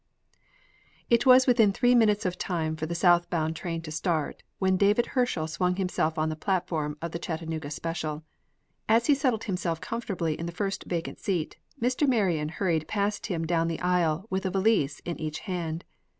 IT was within three minutes of time for the south bound train to start when David Herschel swung himself on the platform of the Chattanooga special. As he settled himself comfortably in the first vacant seat, Mr. Marion hurried past him down the aisle with a valise in each hand.